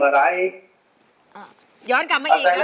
ลักแหลกของฉันไม่รู้มีอีกเมื่อไร